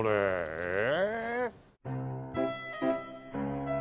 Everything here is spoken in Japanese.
ええ？